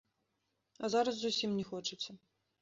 А зараз зусім не хочацца.